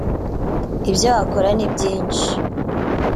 ibyo wakora ni byinshi